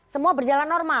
semua berjalan normal